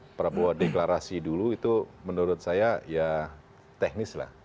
karena pak prabowo deklarasi dulu itu menurut saya ya teknis lah